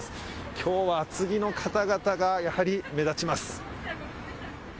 きょうは厚着の方々がやはり目立ちます。